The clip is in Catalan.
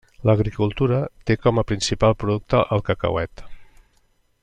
L'agricultura té com a principal producte el cacauet.